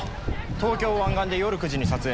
東京湾岸で夜９時に撮影。